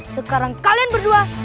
sekarang kalian berdua